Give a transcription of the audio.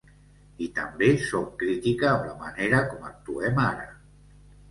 I també sóc crítica amb la manera com actuem ara.